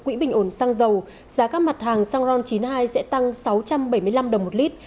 quỹ bình ổn xăng dầu giá các mặt hàng xăng ron chín mươi hai sẽ tăng sáu trăm bảy mươi năm đồng một lít